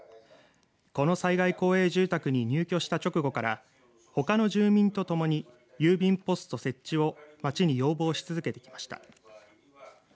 この災害公営住宅に入居した直後からほかの住民と共に郵便ポスト設置を町に要望し続けてきました。